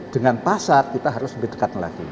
dengan pasar kita harus lebih dekat lagi